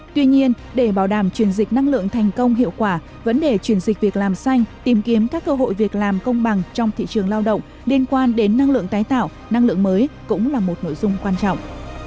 tuy nhiên để bảo đảm chuyển dịch năng lượng thành công hiệu quả vấn đề chuyển dịch việc làm xanh tìm kiếm các cơ hội việc làm công bằng trong thị trường lao động liên quan đến năng lượng tái tạo năng lượng mới cũng là một nội dung quan trọng